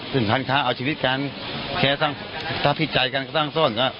ซึ่งท่านค้าเอาชีวิตกันแค่ถ้าผิดใจกันก็ตั้งส้น